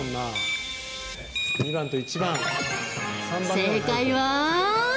正解は。